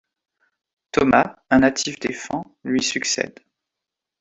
Thomas, un natif des Fens, lui succède.